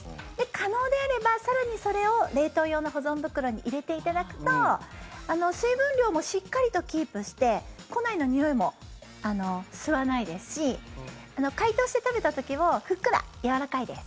可能であれば更にそれを冷凍用の保存袋に入れていただくと水分量もしっかりとキープして庫内のにおいも吸わないですし解凍して食べた時もふっくらやわらかいです。